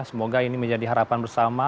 semoga ini menjadi harapan bersama